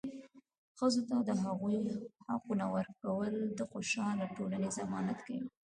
ښځو ته د هغوي حقونه ورکول د خوشحاله ټولنې ضمانت کوي.